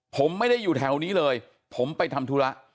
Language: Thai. ผมไม่ได้อยู่แถวนี้เลยผมไปทำธุระ